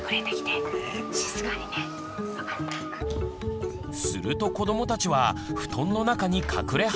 すると子どもたちは布団の中に隠れ始めました。